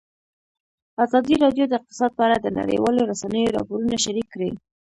ازادي راډیو د اقتصاد په اړه د نړیوالو رسنیو راپورونه شریک کړي.